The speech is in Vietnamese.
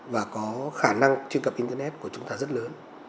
và có khả năng truy cập internet của chúng ta rất lớn